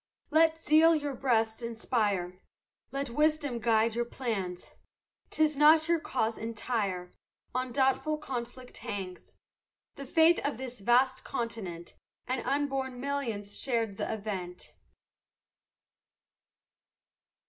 Let zeal your breasts inspire; Let wisdom guide your plans; 'Tis not your cause entire, On doubtful conflict hangs; The fate of this vast continent, And unborn millions share th' event.